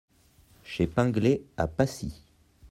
Chez Pinglet, à Passy.